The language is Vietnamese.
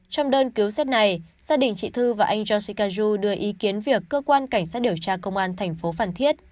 trong đơn cứu sát này gia đình chị thư và anh yoshikazu đưa ý kiến việc cơ quan cảnh sát điều tra công an tp phan thiết